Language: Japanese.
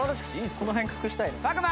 この辺隠したいな。